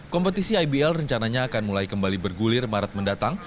kompetisi ibl rencananya akan mulai kembali bergulir maret mendatang